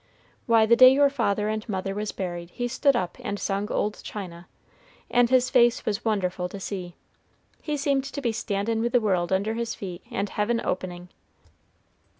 Why, the day your father and mother was buried he stood up and sung old China, and his face was wonderful to see. He seemed to be standin' with the world under his feet and heaven opening.